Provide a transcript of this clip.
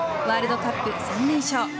ワールドカップ３連勝。